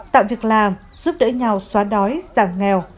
tạo việc làm giúp đỡ nhau xóa đói giảm nghèo